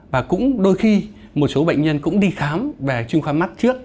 và cũng đôi khi một số bệnh nhân cũng đi khám về chuyên khoa mắt trước